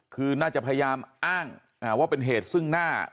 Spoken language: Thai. คือน่าจะพยายามอ้างว่าเป็นเหตุซึ่งหน้า